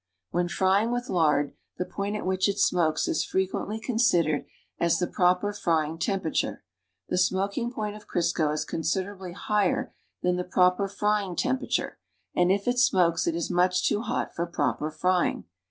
When frying with lard, the point at which it smokes is fre quently considered as the proper frying temperature. The smoking point of Crisco is considerably higher than the proper frying temperature, and if it siuokes, it is much too hot for proper frying.